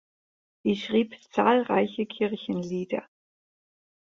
Sie schrieb zahlreiche Kirchenlieder.